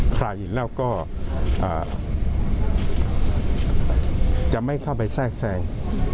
ใครแล้วก็จะไม่เข้าไปแทรกแทรง